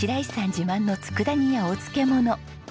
自慢の佃煮やお漬物。